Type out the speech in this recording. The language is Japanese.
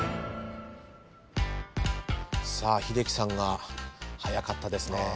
さあ英樹さんが早かったですね。